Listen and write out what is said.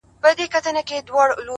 دغه د کرکي او نفرت کليمه ـ